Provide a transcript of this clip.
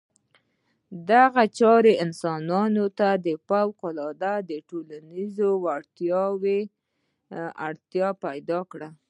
دغې چارې انسانانو ته د فوقالعاده ټولنیزو وړتیاوو اړتیا پیدا کړه.